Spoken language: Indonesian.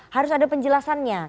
harus ada penjelasannya